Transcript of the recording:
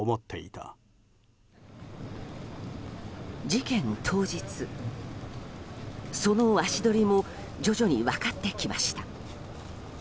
事件当日、その足取りも徐々に分かってきました。